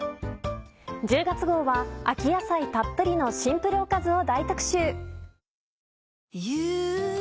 １０月号は秋野菜たっぷりのシンプルおかずを大特集。